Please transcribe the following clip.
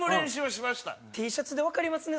Ｔシャツでわかりますね